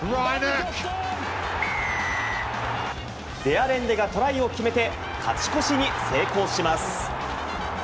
デ・アレンデがトライを決めて勝ち越しに成功します。